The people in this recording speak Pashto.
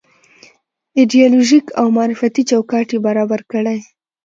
ایدیالوژيک او معرفتي چوکاټ یې برابر کړی.